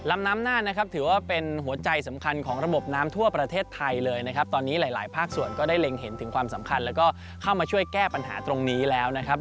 ลำน้ำน่านนะครับถือว่าเป็นหัวใจสำคัญของระบบน้ำทั่วประเทศไทยเลยนะครับตอนนี้หลายหลายภาคส่วนก็ได้เล็งเห็นถึงความสำคัญแล้วก็เข้ามาช่วยแก้ปัญหาตรงนี้แล้วนะครับ